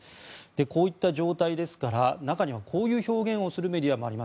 こういった状態ですから中にはこういう表現をするメディアもあります。